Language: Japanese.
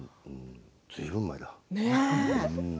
ずいぶん前だ。